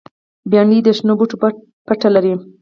بېنډۍ د شنو بوټو پته لري